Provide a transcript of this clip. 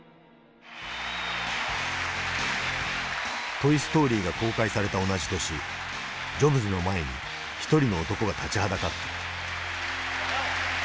「トイストーリー」が公開された同じ年ジョブズの前に一人の男が立ちはだかった。